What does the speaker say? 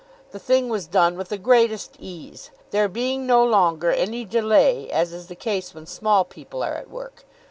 The thing was done with the greatest ease, there being no longer any delay as is the case when small people are at work.